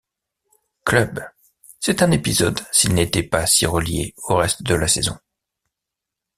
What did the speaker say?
Club, c'est un épisode s'il n'était pas si relié au reste de la saison.